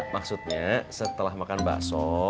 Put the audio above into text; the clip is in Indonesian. maksudnya setelah makan bakso